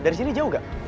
dari sini jauh gak